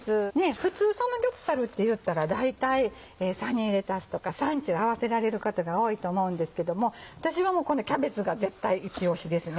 普通サムギョプサルっていったら大体サニーレタスとかサンチュ合わせられる方が多いと思うんですけども私はこのキャベツが絶対いち押しですね。